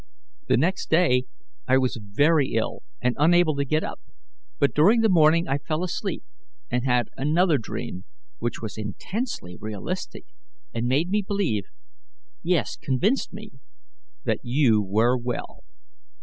The next day I was very ill, and unable to get up; but during the morning I fell asleep and had another dream, which was intensely realistic and made me believe yes, convinced me that you were well.